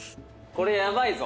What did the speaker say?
これヤバいぞ。